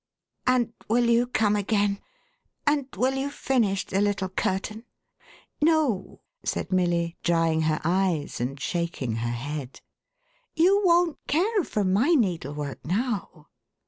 " And will you come again ? and will you finish the little curtain ?"" No," said Mifly, drying her eyes, and shaking her head. " You won't care for my needlework now."